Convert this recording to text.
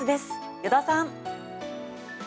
依田さん。